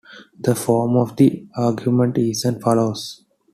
The form of the argument is as follows.